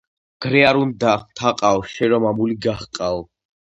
გრე არ უნდა, თაყაო, შენ რომ მამული გაჰყაო.